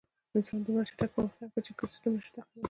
انسان دومره چټک پرمختګ وکړ چې ایکوسېسټم یې نهشوی تعقیبولی.